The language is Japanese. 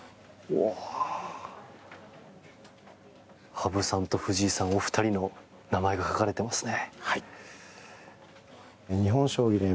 羽生さんと藤井さん２人の名前が書かれていますね。